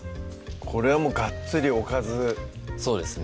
これはもうガッツリおかずそうですね